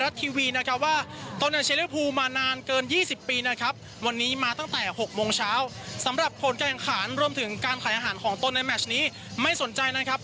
สวัสดีครับอันตอนนะครับ